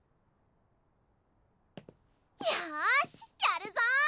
よしやるぞ！